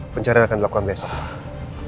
penyarian akan dilakukan besok